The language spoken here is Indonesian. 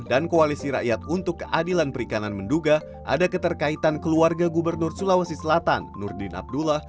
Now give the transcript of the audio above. dan koalisi rakyat untuk keadilan perikanan menduga ada keterkaitan keluarga gubernur sulawesi selatan nurdin abdullah